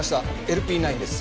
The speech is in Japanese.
ＬＰ９です